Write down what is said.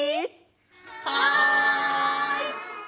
はい！